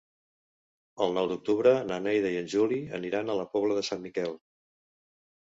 El nou d'octubre na Neida i en Juli iran a la Pobla de Sant Miquel.